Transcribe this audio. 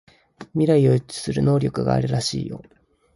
未来を予知する能力があるらしいよ